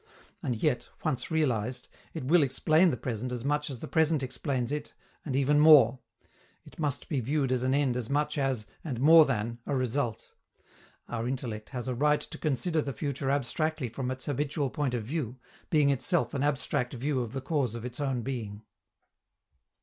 And yet, once realized, it will explain the present as much as the present explains it, and even more; it must be viewed as an end as much as, and more than, a result. Our intellect has a right to consider the future abstractly from its habitual point of view, being itself an abstract view of the cause of its own being.